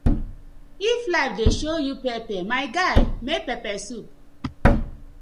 If life dey show you pepper, my guy make pepper soup.